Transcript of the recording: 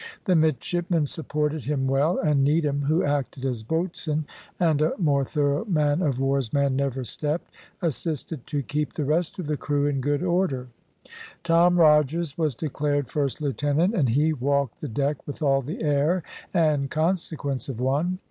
The midshipmen supported him well, and Needham, who acted as boatswain, and a more thorough man of war's man never stepped, assisted to keep the rest of the crew in good order. Tom Rogers was declared "First Lieutenant," and he walked the deck with all the air and consequence of one.